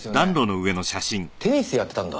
テニスやってたんだ。